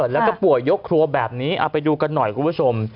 แล้วก็ป่วยยกครัวแบบนี้เอาไปดูกันหน่อยคุณผู้ชม